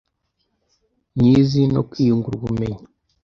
myizi no kwiyungura ubumenyi